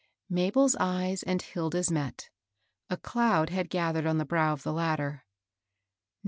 Mabel's eyes and Hilda's met. A cloud had gathered on the brow of the latter.